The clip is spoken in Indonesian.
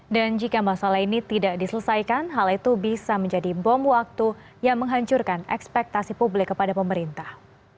dan jika masalah ini tidak diselesaikan hal itu bisa menjadi bom waktu yang menghancurkan ekspektasi publik kepada pemerintah